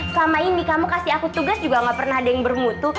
selama ini kamu kasih aku tugas juga gak pernah ada yang bermutu